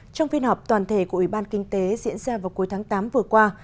trong phiên họp toàn thể của ủy ban kinh tế diễn ra vào cuối tháng tám vừa qua